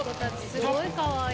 すごいかわいい。